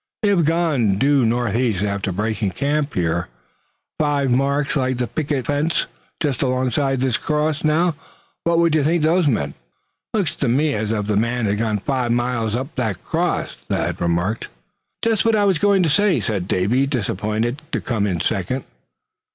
They have gone due northeast after breaking camp. Here are five marks like the pickets on a fence, just alongside this cross. Now, what would you think those meant?" "Looks to me as if the men had gone five miles up to that cross," Thad remarked. "Just what I was going to say," said Davy, disappointed to come in second.